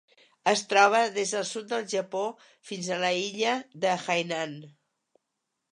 Es troba des del sud del Japó fins a l'illa de Hainan.